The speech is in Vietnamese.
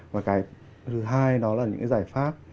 và cái thứ hai đó là những giải pháp